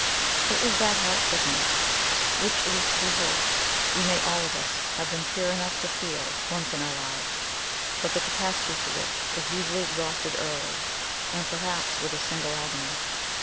It was that heartsickness, which, it is to be hoped, we may all of us have been pure enough to feel, once in our lives, but the capacity for which is usually exhausted early, and perhaps with a single agony.